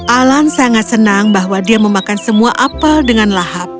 alan sangat senang bahwa dia memakan semua apel dengan lahap